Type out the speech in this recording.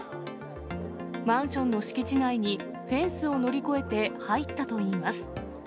マンションの敷地内に、フェンスを乗り越えて入ったといいます。